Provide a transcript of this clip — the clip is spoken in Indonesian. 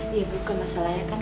ya bukan masalahnya kan